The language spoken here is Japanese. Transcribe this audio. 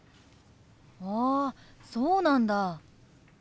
あそうなんだ。